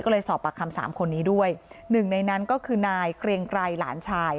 ก็เลยสอบปากคำสามคนนี้ด้วยหนึ่งในนั้นก็คือนายเกรงไกรหลานชาย